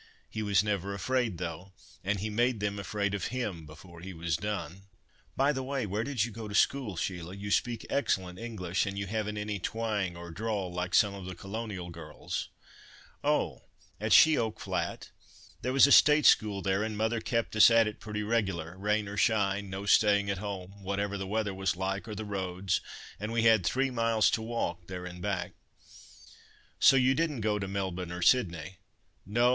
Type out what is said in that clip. He was never afraid, though, and he made them afraid of him before he was done." "By the way, where did you go to school, Sheila? You speak excellent English, and you haven't any twang or drawl, like some of the colonial girls." "Oh! at She oak Flat. There was a State school there, and mother kept us at it pretty regular, rain or shine, no staying at home, whatever the weather was like or the roads, and we had three miles to walk, there and back." "So you didn't go to Melbourne, or Sydney?" "No!